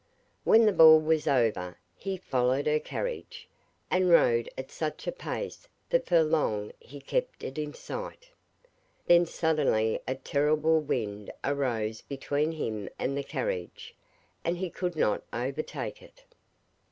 When the ball was over, he followed her carriage, and rode at such a pace that for long he kept it in sight. Then suddenly a terrible wind arose between him and the carriage, and he could not overtake it.